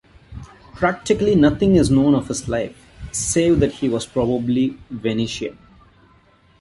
Practically nothing is known of his life, save that he was probably Venetian.